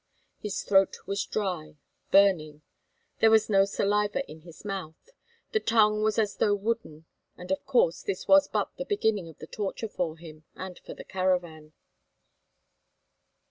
His throat was dry, burning; there was no saliva in his mouth; the tongue was as though wooden. And of course this was but the beginning of the torture for him and for the caravan.